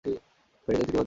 Vatican city মানচিত্র